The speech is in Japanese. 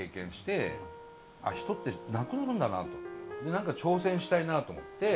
なんか挑戦したいなと思って。